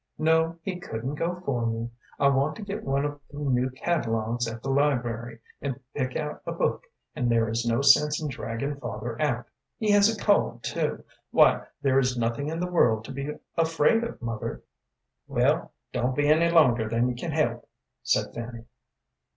"No, he couldn't go for me. I want to get one of the new catalogues at the library and pick out a book, and there is no sense in dragging father out. He has a cold, too. Why, there is nothing in the world to be afraid of, mother." "Well, don't be any longer than you can help," said Fanny.